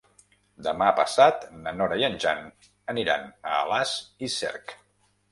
Demà passat na Nora i en Jan aniran a Alàs i Cerc.